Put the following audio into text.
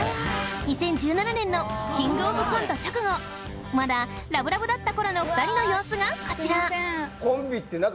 ２０１７年の『キングオブコント』直後まだラブラブだった頃の２人の様子がコチラ！